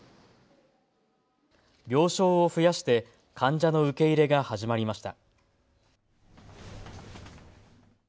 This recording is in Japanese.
病床を増やして患者の受け入れが始まりました。